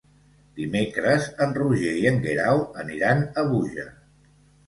Dimecres en Roger i en Guerau aniran a Búger.